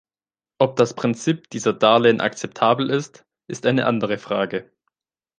Ob das Prinzip dieser Darlehen akzeptabel ist, ist eine andere Frage.